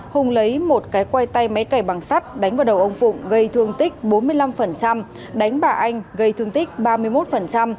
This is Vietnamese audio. hùng lấy một cái quay tay máy cải bằng sắt đánh vào đầu ông phụng gây thương tích bốn mươi năm đánh bà anh gây thương tích ba mươi một